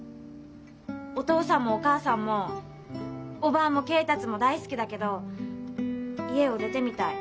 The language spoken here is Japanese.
お父さんもお母さんもおばぁも恵達も大好きだけど家を出てみたい。